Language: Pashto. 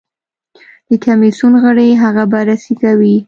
د کمېسیون غړي هغه بررسي کوي.